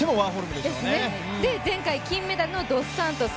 前回金メダルのドスサントス。